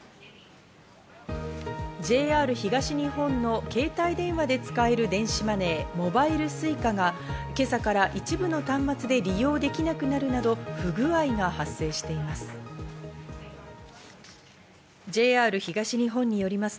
ＪＲ東日本の携帯電話で使える電子マネー、モバイルＳｕｉｃａが今朝から一部の端末で利用できなくなるなど、不具合が発生しています。